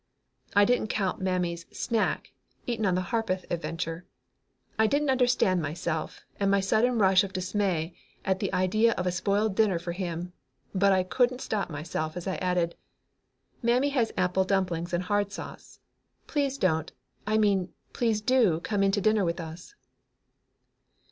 I didn't count Mammy's "snack" eaten on the Harpeth adventure. I didn't understand myself and my sudden rush of dismay at the idea of a spoiled dinner for him, but I couldn't stop myself as I added: "Mammy has apple dumplings and hard sauce; please don't I mean please do come in to dinner with us."